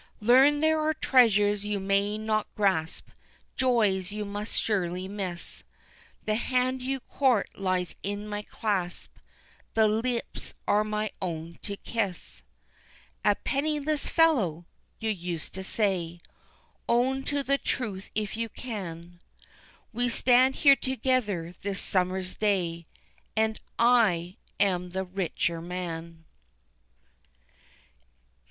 Learn there are treasures you may not grasp, Joys you must surely miss, The hand you court lies in my clasp The lips are my own to kiss. A penniless fellow! you used to say Own to the truth if you can We stand here together this summer's day, And I am the richer man.